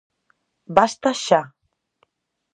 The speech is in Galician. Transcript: Basta xa!